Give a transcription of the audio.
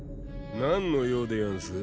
何の用でやんす？